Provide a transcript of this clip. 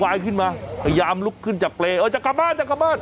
โว้ยขึ้นมาพยายามลุกขึ้นจากเปลยอ่ะจะกลับมาจะกลับมา